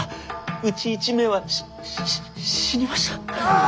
うち１名はしし死にました。